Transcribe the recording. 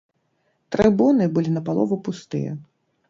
Трыбуны былі напалову пустыя.